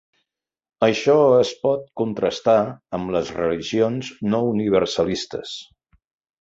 Això es pot contrastar amb les religions no universalistes.